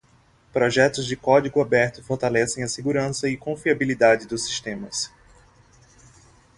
Projetos de código aberto fortalecem a segurança e confiabilidade dos sistemas.